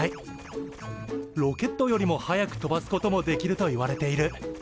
ロケットよりも速く飛ばすこともできるといわれている。